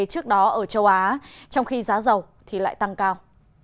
trước đó ở châu á trong khi giá dầu thì lại tăng cao